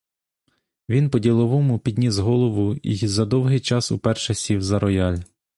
Він по-діловому підніс голову й за довгий час уперше сів за рояль.